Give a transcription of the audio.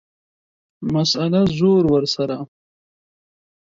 مسئله ، زور ورسره.